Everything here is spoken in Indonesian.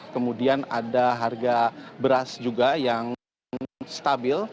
kemudian ada harga beras juga yang stabil